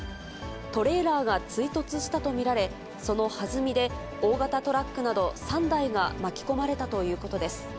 トレーラーが追突したと見られ、そのはずみで大型トラックなど３台が巻き込まれたということです。